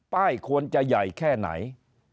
ควรจะใหญ่แค่ไหน